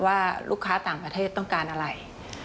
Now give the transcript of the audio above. ว่าลูกค้าต่างประเทศต้องการอะไร